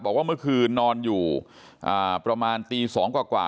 บอกว่าเมื่อคืนนอนอยู่ประมาณตี๒กว่า